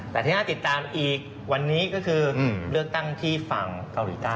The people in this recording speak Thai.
แต่ที่น่าติดตามอีกวันนี้ก็คือเลือกตั้งที่ฝั่งเกาหลีใต้